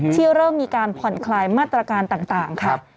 ที่เริ่มมีการผ่อนคลายมาตรการต่างค่ะ